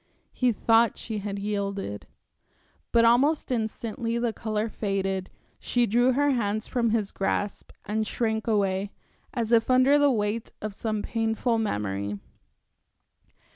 He thought she had yielded. But almost instantly the color faded, she drew her hands from his grasp and shrank away, as if under the weight of some painful memory.